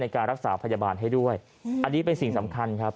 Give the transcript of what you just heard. การรักษาพยาบาลให้ด้วยอันนี้เป็นสิ่งสำคัญครับ